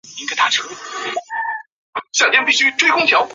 核合成的理论通过同位素丰度的计算和观测的丰度比对来验证。